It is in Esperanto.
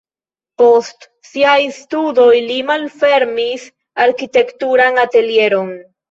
Post siaj studoj li malfermis arkitekturan atelieron.